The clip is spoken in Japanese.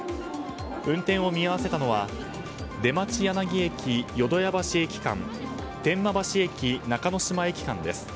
運転を見合わせたのは出町柳駅淀屋橋駅間天満橋駅中之島駅間です。